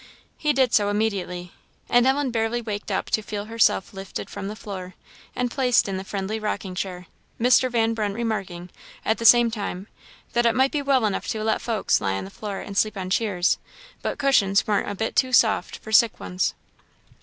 He did so immediately; and Ellen barely waked up to feel herself lifted from the floor, and placed in the friendly rocking chair; Mr. Van Brunt remarking, at the same time, that "it might be well enough to let well folks lie on the floor and sleep on cheers, but cushions warn't a bit too soft for sick ones."